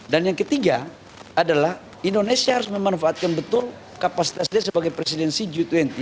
dan yang ketiga adalah indonesia harus memanfaatkan betul kapasitasnya sebagai presidensi g dua puluh